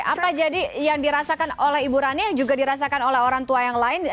apa jadi yang dirasakan oleh ibu rani yang juga dirasakan oleh orang tua yang lain